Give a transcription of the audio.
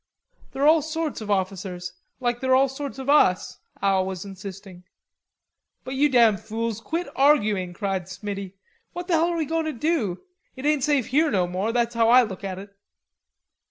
"They're all sorts of officers, like they're all sorts of us," Al was insisting. "But you damn fools, quit arguing," cried Smiddy. "What the hell are we goin' to do? It ain't safe here no more, that's how I look at it."